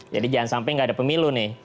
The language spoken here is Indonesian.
jadi jangan sampai nggak ada pemilu nih